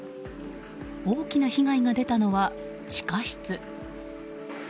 大きな被害が出たのは地下室。